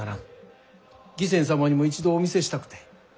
義仙様にも一度お見せしたくて。